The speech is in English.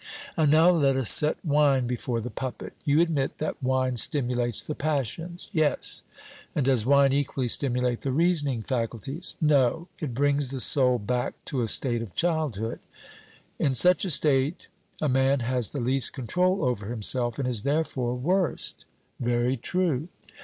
And now let us set wine before the puppet. You admit that wine stimulates the passions? 'Yes.' And does wine equally stimulate the reasoning faculties? 'No; it brings the soul back to a state of childhood.' In such a state a man has the least control over himself, and is, therefore, worst. 'Very true.'